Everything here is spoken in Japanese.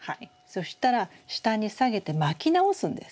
そしたら下に下げて巻き直すんです。